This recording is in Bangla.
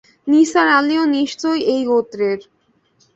নিসার আলিও নিশ্চয় এই গোত্রের।